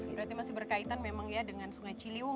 berarti masih berkaitan memang ya dengan sungai ciliwung